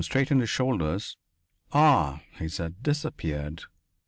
Doctor Waram straightened his shoulders. "Ah," he said. "Disappeared.